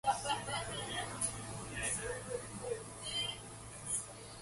A short while later, Corky returns with a bloodstained knife.